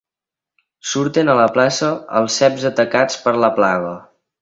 Surten a la plaça els ceps atacats per la plaga.